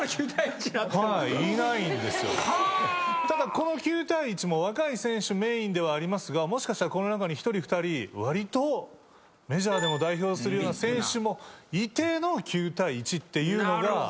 ただこの９対１も若い選手メインではありますがもしかしたらこの中に１人２人わりとメジャーでも代表するような選手もいての９対１っていうのが。